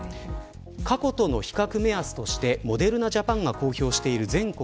過去との比較の目安としてモデルナ・ジャパンが公表している全国